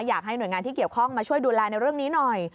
อยากให้หน่วยงานที่เกี่ยวข้องมาช่วยดูแลในเรื่องนี้หน่อย